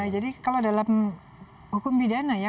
jadi kalau dalam hukum bidana ya